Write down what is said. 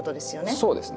そうですね。